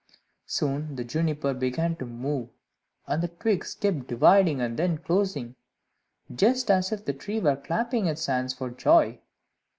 Soon the Juniper began to move, and the twigs kept dividing and then closing, just as if the tree were clapping its hands for joy.